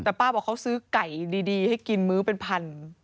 แต่ป้าบอกเขาซื้อไก่ดีให้กินมื้อเป็นพัน